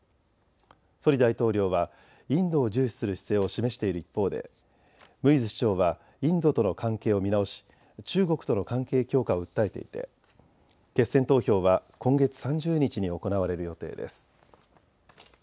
ソリ大統領はインドを重視する姿勢を示している一方でムイズ市長はインドとの関係を見直し中国との関係強化を訴えていて決選投票は今月３０日に行われる予定です。